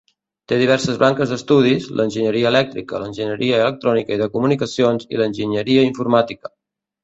Té diverses branques d'estudis: l'enginyeria elèctrica; l'enginyeria electrònica i de telecomunicacions; i l'enginyeria informàtica.